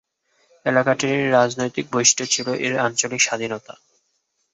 এলাকাটির রাজনৈতিক বৈশিষ্ট্য ছিলো এর আঞ্চলিক স্বাধীনতা।